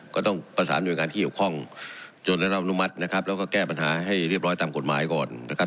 ก็ต้องประสานหน่วยงานที่เกี่ยวข้องจนได้รับอนุมัตินะครับแล้วก็แก้ปัญหาให้เรียบร้อยตามกฎหมายก่อนนะครับ